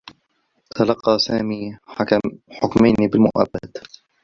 تلقّى سامي حكمين بالمؤبّد.